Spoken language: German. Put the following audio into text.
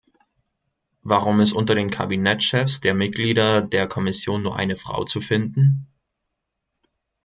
Warum ist unter den Kabinettchefs der Mitglieder der Kommission nur eine Frau zu finden?